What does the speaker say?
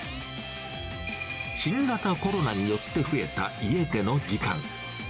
新型コロナによって増えた家での時間。